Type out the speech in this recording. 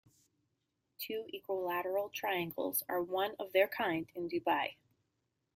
Two equilateral triangles are one of their kind in Dubai.